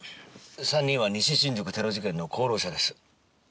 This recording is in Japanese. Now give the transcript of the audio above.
３人は西新宿テロ事件の功労者です。